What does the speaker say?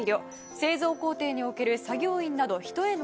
製造工程における作業員など人への配慮。